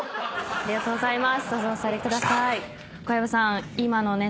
ありがとうございます。